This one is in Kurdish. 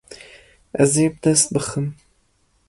Ez ê bi dest bixim.